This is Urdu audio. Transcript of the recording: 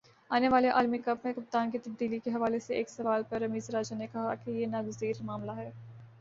آنے والے عالمی کپ میں کپتان کی تبدیلی کے حوالے سے ایک سوال پر رمیز راجہ نے کہا کہ یہ ناگزیر معاملہ ہے